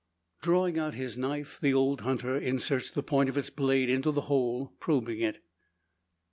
Drawing out his knife, the old hunter inserts the point of its blade into the hole, probing it.